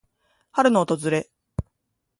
春の訪れ。